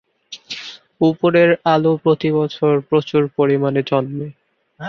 উপরের আলু প্রতি বছর প্রচুর পরিমানে জন্মে।